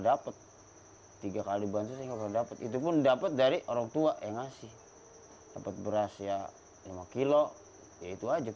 dapet tiga kali bantuan dapat itu pun dapat dari orangtua yang ngasih dapat beras ya lima kg itu aja